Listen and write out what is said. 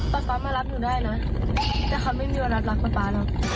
ป๊าป๊ามารับหนูได้นะแต่เขาไม่มีวันรับรักป๊าแล้ว